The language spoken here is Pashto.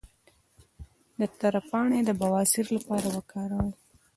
د تره پاڼې د بواسیر لپاره وکاروئ